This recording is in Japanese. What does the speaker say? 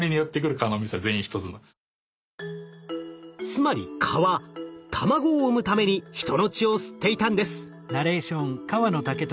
つまり蚊は卵を産むために人の血を吸っていたんです。